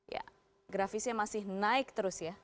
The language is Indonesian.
ya grafisnya masih naik terus ya